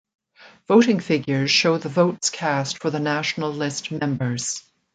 Voting figures show the votes cast for the national list members.